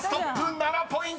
７ポイントです］